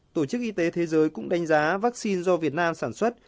tổ chức y tế thế giới cũng đánh giá vaccine do việt nam sản xuất